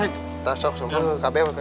kita sok sok kabeh bebeh